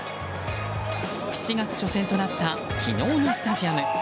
７月初戦となった昨日のスタジアム。